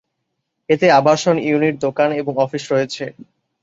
এতে আবাসিক ইউনিট, দোকান এবং অফিস রয়েছে।